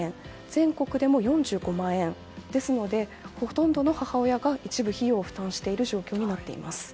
全国でも４５万円ですのでほとんどの母親が一部費用を負担している状況になっています。